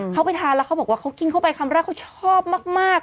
เขาไปทานแล้วเขาบอกว่าเขากินเข้าไปคำแรกเขาชอบมาก